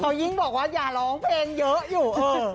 เขายิ่งบอกว่าอย่าร้องเพลงเยอะอยู่